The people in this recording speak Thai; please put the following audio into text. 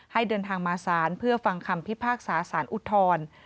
เดินทางมาศาลเพื่อฟังคำพิพากษาสารอุทธร